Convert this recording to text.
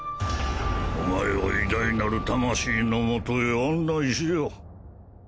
お前を偉大なる魂のもとへ案内しよう。